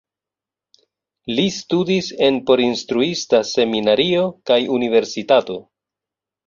Li studis en porinstruista seminario kaj universitato.